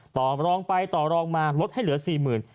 ต่อรองไปต่อรองมาลดให้เหลือ๔๐๐๐บาท